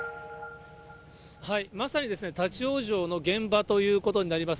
まさにですね、立往生の現場ということになります。